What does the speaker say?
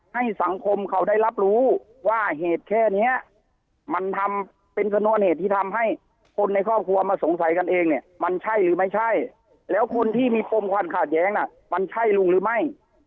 ให้สังคมเขาได้รับรู้ว่าเหตุแค่เนี้ยมันทำเป็นชนวนเหตุที่ทำให้คนในครอบครัวมาสงสัยกันเองเนี่ยมันใช่หรือไม่ใช่แล้วคนที่มีปมความขาดแย้งน่ะมันใช่ลุงหรือไม่